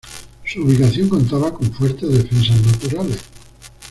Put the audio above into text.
Su ubicación contaba con fuertes defensas naturales.